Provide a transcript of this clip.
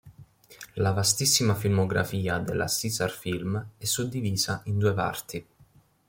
La vastissima filmografia della "Caesar Film" è suddivisa in due parti.